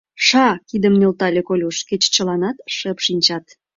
— Ша! — кидым нӧлтале Колюш, кеч чыланат шып шинчат.